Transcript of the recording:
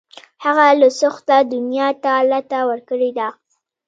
هغه له سوخته دنیا ته لته ورکړې ده